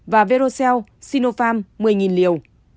và verocell sinopharm một mươi liều